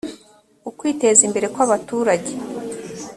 ukwiteza imbere kw abaturage